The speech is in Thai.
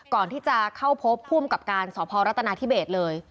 ก่อนที่จะเข้าพบผู้อำกับการสรัตนาที่เบสเลย